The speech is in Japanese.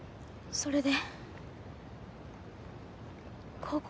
それで。